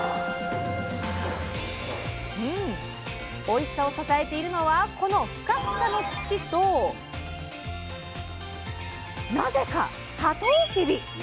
おいしさを支えているのはこのふかふかの土となぜかサトウキビ！